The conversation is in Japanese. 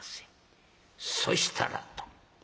「そしたら」と。